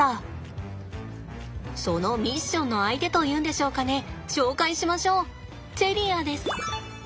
そのミッションの相手というんでしょうかね紹介しましょうチェリアです。